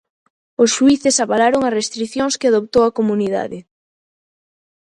Os xuíces avalaron as restricións que adoptou a comunidade.